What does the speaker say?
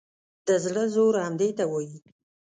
د زړه زور همدې ته وایي.